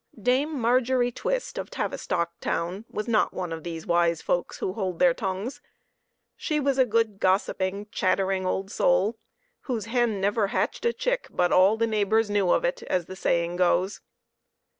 Dame Margery Twist of Tavistock town was not one of these wise folks who hold their tongues ; she was a good, gossiping, chattering old soul, whose hen never hatched a chick but all of the neighbors knew of it, as the saying goes.